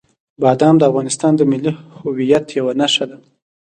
بادام د افغانستان د ملي هویت یوه نښه ده.